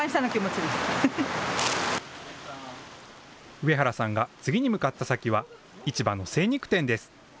上原さんが次に向かった先は、市場の精肉店です。